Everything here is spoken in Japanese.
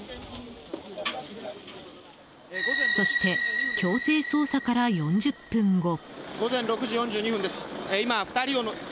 そして、強制捜査から４０分後。